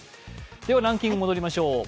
ランキングに戻りましょう。